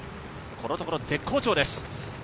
このところ絶好調です。